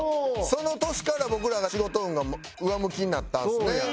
その年から僕らが仕事運が上向きになったんですね。